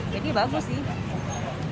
jadi bagus sih